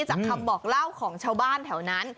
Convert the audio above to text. จากคำบอกเล่าของชาวบ้านแถวนั้น